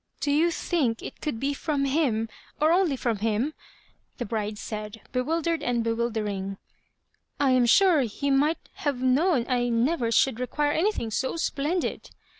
"Do you think it could be m>m him ; or only from him ?" the bride said, bewildered and bewildering. " I am sure he might have known I never should require anything so splendid."